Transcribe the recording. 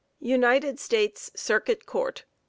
UNITED STATES CIRCUIT COURT.